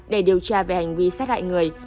để điều tra về hành vi sát hại người